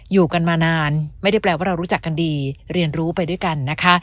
อยู่กันมานานไม่ได้แปลว่าเรารู้จักกันดีเรียนรู้ไปด้วยกันนะคะ